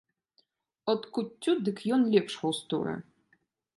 От куццю дык ён лепш густуе.